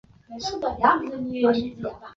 陈桓是越南音乐家。